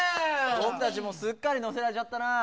ぼくたちもすっかりのせられちゃったなぁ。